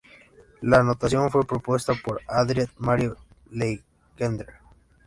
La notación fue propuesta por Adrien-Marie Legendre.